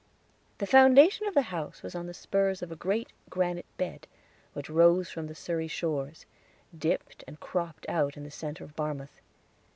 The foundation of the house was on the spurs of a great granite bed, which rose from the Surrey shores, dipped and cropped out in the center of Barmouth.